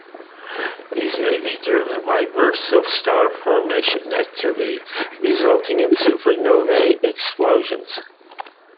These may be driven by bursts of star formation activity, resulting in supernovae explosions.